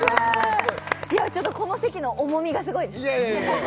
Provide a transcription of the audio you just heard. この席の重みがすごいですいやいや